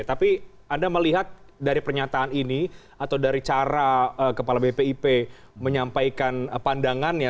tapi anda melihat dari pernyataan ini atau dari cara kepala bpip menyampaikan pandangannya